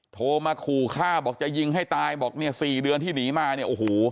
โทรมาขู่ฆ่าบอกจะยิงให้ตายบอกเนี่ย๔เดือนที่หนีมาเนี่ยโอ้โห